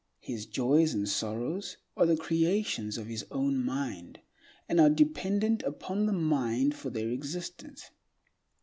His joys and sorrows are the creations of his own mind, and are dependent upon the mind for their existence.